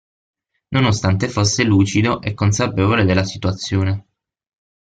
Nonostante fosse lucido e consapevole della situazione.